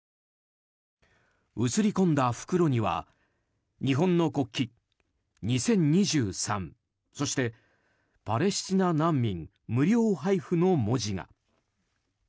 写り込んだ袋には、日本の国旗「２０２３」、そして「パレスチナ難民無料配布」の文字が。